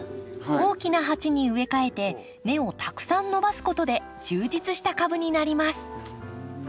大きな鉢に植え替えて根をたくさん伸ばすことで充実した株になります